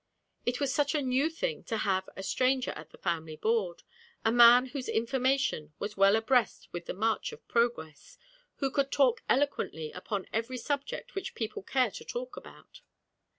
It was such a new thing to have a stranger at the family board, a man whose information was well abreast with the march of progress, who could talk eloquently upon every subject which people care to talk about.